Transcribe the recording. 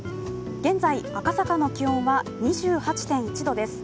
現在、赤坂の気温は２８．１度です。